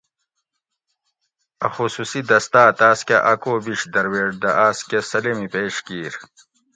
اۤ خصوصی دستاۤ تاسکہ اۤکو بِیش درویٹ دہ آس کہ سلیمی پیش کِیر